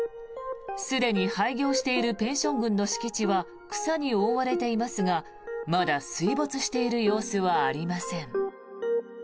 すでに廃業しているペンション群の敷地は草に覆われていますがまだ水没している様子はありません。